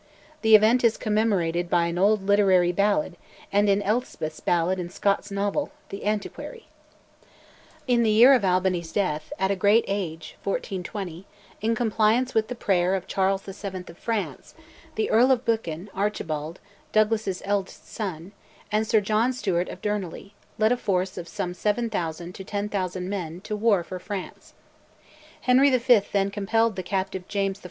The event is commemorated by an old literary ballad, and in Elspeth's ballad in Scott's novel, 'The Antiquary.' In the year of Albany's death, at a great age (1420), in compliance with the prayer of Charles VII. of France, the Earl of Buchan, Archibald, Douglas's eldest son, and Sir John Stewart of Derneley, led a force of some 7000 to 10,000 men to war for France. Henry V. then compelled the captive James I.